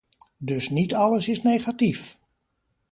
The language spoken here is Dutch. Dus niet alles is negatief.